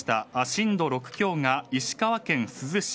震度６強が石川県珠洲市。